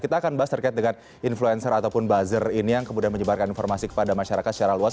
kita akan bahas terkait dengan influencer ataupun buzzer ini yang kemudian menyebarkan informasi kepada masyarakat secara luas